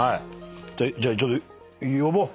じゃあちょっと呼ぼう。